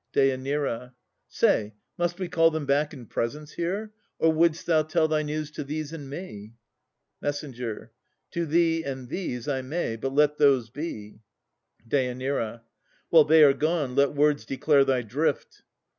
DÊ. Say, must we call them back in presence here, Or would'st thou tell thy news to these and me? MESS. To thee and these I may, but let those be. DÊ. Well, they are gone. Let words declare thy drift.